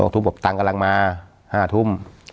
ตั้งกำลังมา๕ทุ่ม